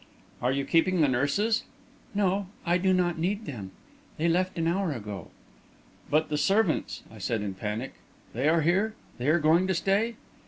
"Are you keeping the nurses?" "No; I do not need them. They left an hour ago." "But the servants," I said, in a panic, "they are here? They are going to stay?"